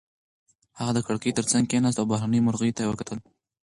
هغه د کړکۍ تر څنګ کېناسته او بهرنیو مرغیو ته یې وکتل.